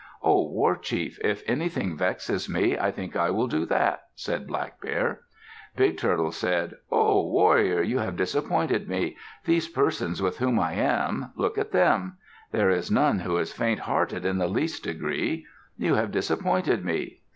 "O war chief, if anything vexes me, I think I will do that," said Black Bear. Big Turtle said, "Ho! warrior, you have disappointed me. These persons with whom I am look at them. There is none who is faint hearted in the least degree. You have disappointed me.